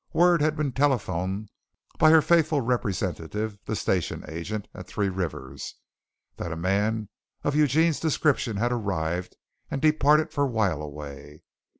Word had been telephoned by her faithful representative, the station agent at Three Rivers, that a man of Eugene's description had arrived and departed for While a Way.